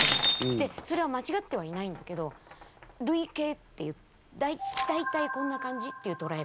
でそれは間違ってはいないんだけど類型っていう大体こんな感じっていうとらえ方なわけ。